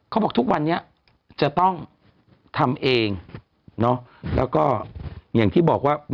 เขาบอกทุกวันนี้จะต้องทำเองเนาะแล้วก็อย่างที่บอกว่า